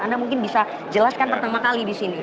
anda mungkin bisa jelaskan pertama kali di sini